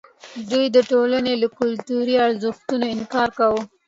دوی د ټولنې له کلتوري ارزښتونو انکار کاوه.